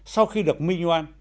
sau khi được minh oan